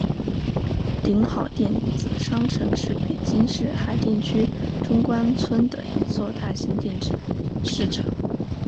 鼎好电子商城是北京市海淀区中关村的一座大型电子市场。